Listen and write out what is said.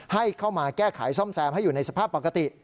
ให้เข้ามาแก้ไขซ่อมแซมให้อยู่ในสภาพปกติ